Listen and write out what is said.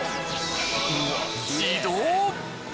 自動！